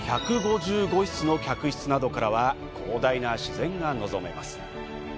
１５５室もの客室などからは広大な自然が望めます。